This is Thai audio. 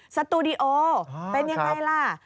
สตูดิโอเป็นยังไงล่ะ